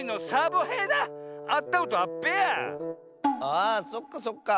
あそっかそっか。